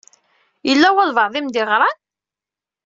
Yella walebɛaḍ i m-d-iɣṛan?